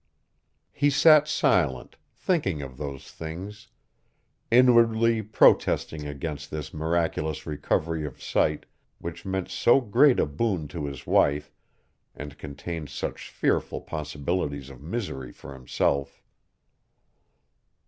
He sat silent, thinking of those things, inwardly protesting against this miraculous recovery of sight which meant so great a boon to his wife and contained such fearful possibilities of misery for himself.